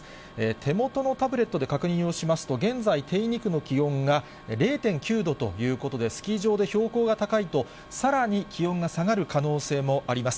手元のタブレットで確認をしますと、現在、手稲区の気温が０．９度ということで、スキー場で標高が高いと、さらに気温が下がる可能性もあります。